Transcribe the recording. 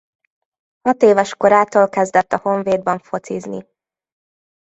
Hatéves korától kezdett a Honvédban focizni.